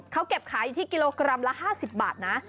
เขาเก็บขายอยู่ที่กิโลกรัมละ๕๐บาทนะ